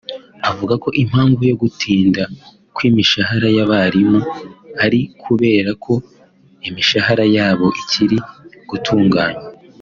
avuga ko impamvu yo gutinda kw’imishahara y’abarimu ari ukubera ko imishahara yabo ikiri gutunganywa